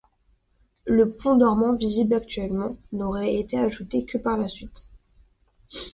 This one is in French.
Le pont dormant visible actuellement n'aurait été ajouté que par la suite.